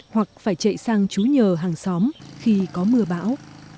hoặc phải chạy sang chú nhờ hàng xóm khi có mưa bão